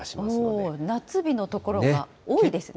夏日の所が多いですね。